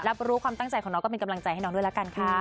รับรู้ความตั้งใจของน้องก็เป็นกำลังใจให้น้องด้วยละกันค่ะ